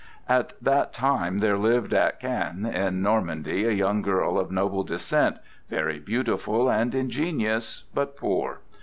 At that time there lived at Caen in Normandy a young girl of noble descent, very beautiful and ingenious, but poor.